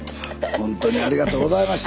ほんとにありがとうございました。